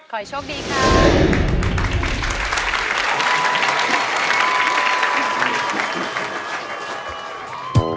ขอให้โชคดีครับ